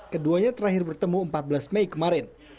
keduanya terakhir bertemu empat belas mei kemarin